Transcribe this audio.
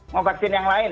mau vaksin yang lain